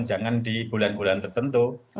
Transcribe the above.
jangan di bulan bulan tertentu